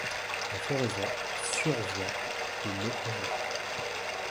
La floraison survient de mai à juin.